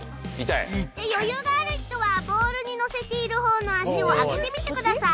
余裕がある人はボールに乗せているほうの足を上げてみてください。